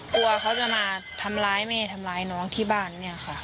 กลัวเขาจะมาทำร้ายแม่ทำร้ายน้องที่บ้านเนี่ยค่ะ